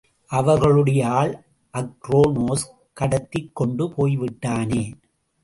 அவர்களுடைய ஆள் அக்ரோனோஸ் கடத்திக் கொண்டு போய்விட்டானே!